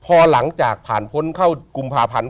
พอหลังจากผ่านพ้นเข้ากุมภาพันธ์